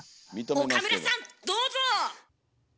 岡村さんどうぞ！